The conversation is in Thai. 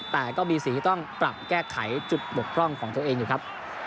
แต่ก็มีสิ่งที่ต้องปรับแก้ไขจุดบกพร่องของตัวเองอยู่ครับ